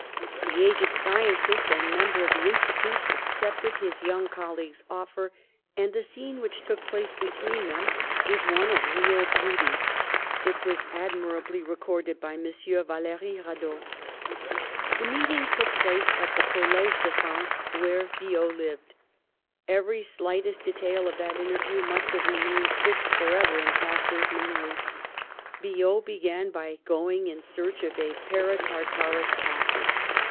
The aged scientist and member of the Institute accepted his young colleague's offer, and the scene which took place between them was one of real beauty. It has been admirably recorded by M. Vallery Ptadot: 'The meeting took place at the College de A LABORIOUS YOUTH 35 France, where Biot lived. Every slightest de tail of that interview must have remained fixed forever in Pasteur's memory. Biot began by going in search of paratartaric acid.